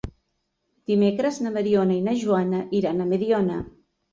Dimecres na Mariona i na Joana iran a Mediona.